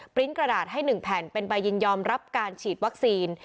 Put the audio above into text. ริ้นต์กระดาษให้๑แผ่นเป็นใบยินยอมรับการฉีดวัคซีน